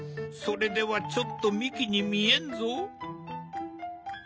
それではちょっと幹に見えんぞ。